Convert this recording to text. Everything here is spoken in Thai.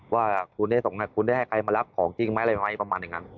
ว่าคุณได้ให้ใครมารับของจริงไหมอะไรไหมประมาณอย่างนั้น